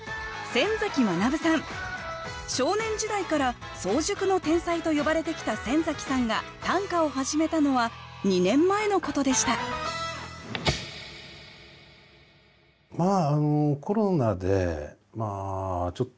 少年時代から早熟の天才と呼ばれてきた先崎さんが短歌を始めたのは２年前のことでした喫茶店です。